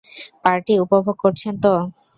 Party উপভোগ করছেন তো?